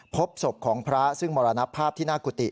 พบศพของพระซึ่งมรณภาพที่หน้ากุฏิ